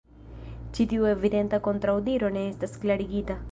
Ĉi tiu evidenta kontraŭdiro ne estas klarigita.